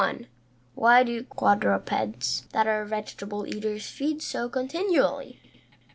_Why do quadrupeds that are vegetable eaters feed so continually?